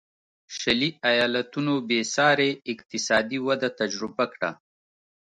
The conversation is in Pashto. شلي ایالتونو بېسارې اقتصادي وده تجربه کړه.